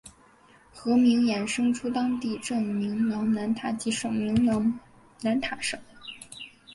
河名衍生出当地镇名琅南塔及省名琅南塔省。